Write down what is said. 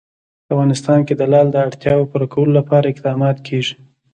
په افغانستان کې د لعل د اړتیاوو پوره کولو لپاره اقدامات کېږي.